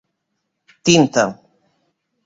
Tinta: